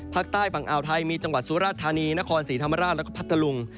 ภาคใต้ฝั่งอ่าวไทยมีจังหวัดสุราชธานีนครศรีธรรมราชแล้วก็พัทธลุง